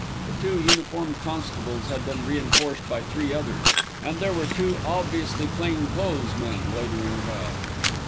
The two uniformed constables had been reinforced by three others, and there were two obviously plain clothes men loitering about.